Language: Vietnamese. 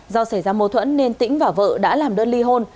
do xảy ra mâu thuẫn nên tĩnh và vợ đã làm đơn ly hôn